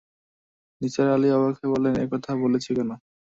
নিসার আলি অবাক হয়ে বললেন, এ-কথা বলছি কেন?